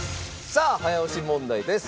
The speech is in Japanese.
さあ早押し問題です。